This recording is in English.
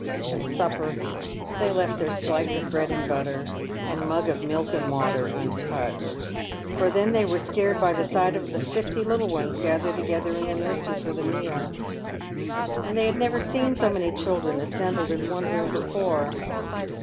At supper they left their slice of bread and butter and mug of milk and water untouched, for then they were scared by the sight of the fifty little ones gathered to gether in the nursery for the meal, and they had never seen so many children assembled in one room before.